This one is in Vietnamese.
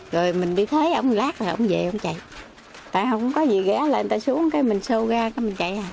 rồi mình đi thấy ổng lát rồi ổng về ổng chạy